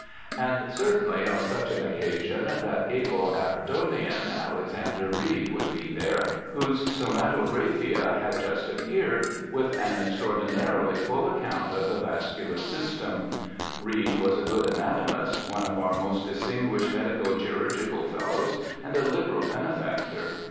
And certainly on such an occasion that able Aberdonian, Alexander Reid, would be there, whose ^ioixaToypa4)La had just appeared,^ with an extraordinarily full account ' Copy in Bodleian Library. 3T4 BIOGRAPHICAL ESSAYS of the vascular system. Reid was a good anatomist, one of our most distinguished Medico Chirurgical Fellows, and a liberal benefactor.